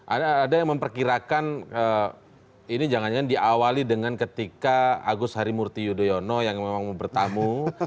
ada yang memperkirakan ini jangan jangan diawali dengan ketika agus harimurti yudhoyono yang memang mau bertamu